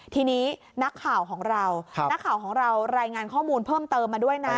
ทีนี้นักข่าวของเรานักข่าวของเรารายงานข้อมูลเพิ่มเติมมาด้วยนะ